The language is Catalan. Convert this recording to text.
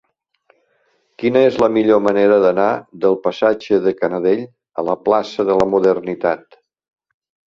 Quina és la millor manera d'anar del passatge de Canadell a la plaça de la Modernitat?